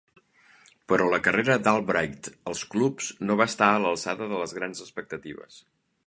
Però la carrera d'Albright als clubs no va estar a l'alçada de les grans expectatives.